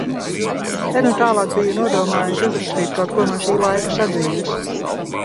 Te nu tālāk biju nodomājis uzrakstīt kaut ko no šī laika sadzīves.